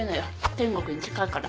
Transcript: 天国に近いから。